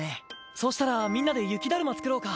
そうしたらみんなで雪だるま作ろうか！